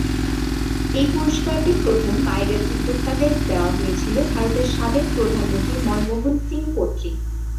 এই পুরস্কারটি প্রথম বাইরের উদ্যোক্তাদের দেওয়া হয়েছিল ভারতের সাবেক প্রধানমন্ত্রী মনমোহন সিং কর্তৃক।